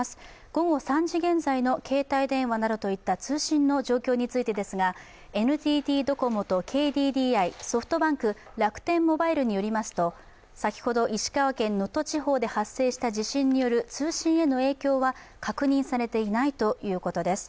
午後３時現在の携帯電話などの通信の状況についてですがＮＴＴドコモとＫＤＤＩ、ソフトバンク、楽天モバイルによりますと、先ほど石川県能登地方で発生した地震による通信への影響は確認されていないということです。